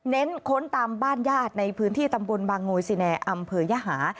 ้นค้นตามบ้านญาติในพื้นที่ตำบลบางโงยซิแนอำเภอยหา